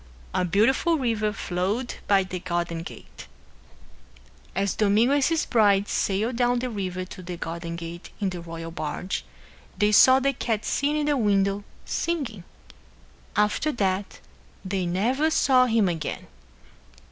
A beautiful river flowed by the garden gate. As Domingo and his bride sailed down the river to the garden gate in the royal barge, they saw the cat sitting in the window singing. After that they never saw him again.